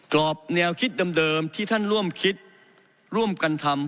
รอบแนวคิดเดิมที่ท่านร่วมคิดร่วมกันทำ